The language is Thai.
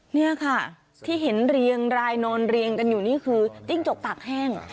นี่ค่ะที่เห็นเรียงรายนอนเรียงกันอยู่นี่คือจิ้งจกตากแห้ง